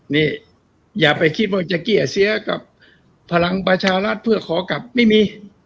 นี่อย่าไปคิดว่าจะเกลี้ยเสียกับพลังประชารัฐเพื่อขอกลับไม่มี